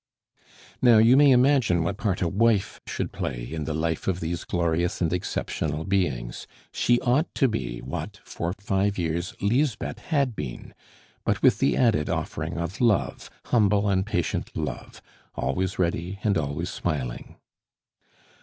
Now you may imagine what part a wife should play in the life of these glorious and exceptional beings. She ought to be what, for five years, Lisbeth had been, but with the added offering of love, humble and patient love, always ready and always smiling.